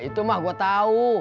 itu mah gua tau